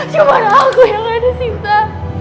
cuma aku yang ada sinta